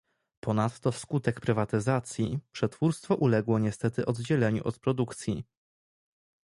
Ponadto wskutek prywatyzacji przetwórstwo uległo niestety oddzieleniu od produkcji